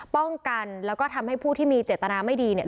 ป้องกันแล้วก็ทำให้ผู้ที่มีเจตนาไม่ดีเนี่ย